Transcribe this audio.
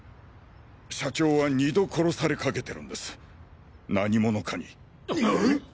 社長は二度殺されかけてるんです何者かに。え！？